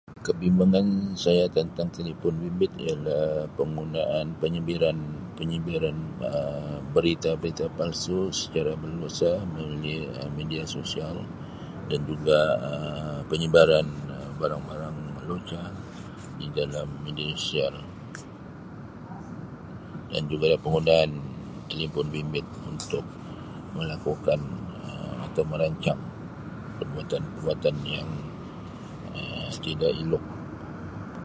Kebimbangan saya tentang telipon bimbit ialah penggunaan penyebaran-penyebaran Um berita-berita palsu secara berleluasa melalui Um media sosial dan juga Um penyebaran Um barang-barang lucah di dalam media sosial dan juga penggunaan telipon bimbit untuk melakukan Um atau merancang perbuatan-perbuatan yang Um tidak elok.